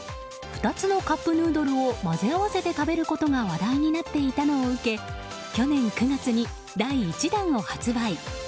２つのカップヌードルを混ぜ合わせて食べることが話題になっていたのを受け去年９月に第１弾を発売。